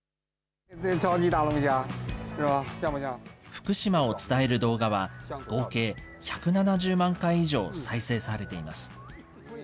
福島を伝える動画は、合計１７０万回以上再生されています。